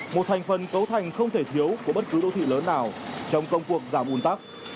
một thành phần cấu thành không thể thiếu của bất cứ đô thị lớn nào trong công cuộc giảm bùn tắc